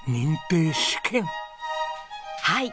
はい。